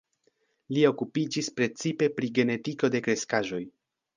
Li okupiĝis precipe pri genetiko de kreskaĵoj.